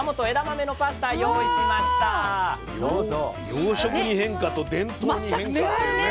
洋食に変化と伝統に変化ね。